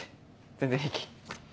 全然平気。